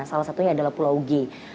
salah satunya adalah pulau g